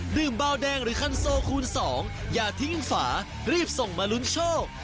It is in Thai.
เบาแดงหรือคันโซคูณ๒อย่าทิ้งฝารีบส่งมาลุ้นโชค